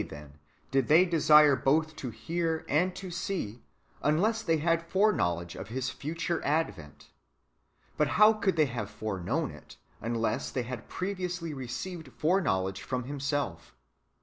wa}^ tlien, did they desire both to hear and to see, unless they had foreknowledge of His future advent ? But how could they have foreknown it, unless they had previously received foreknowledge from Himself